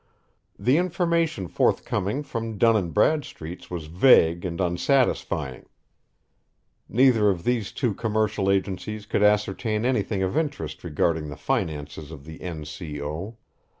The information forthcoming from Dun's and Bradstreet's was vague and unsatisfying. Neither of these two commercial agencies could ascertain anything of interest regarding the finances of the N. C. O.